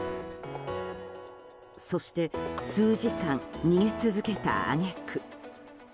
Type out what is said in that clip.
そして、数時間逃げ続けた揚げ句。